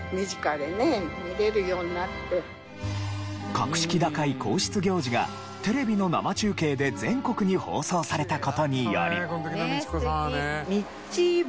格式高い皇室行事がテレビの生中継で全国に放送された事により。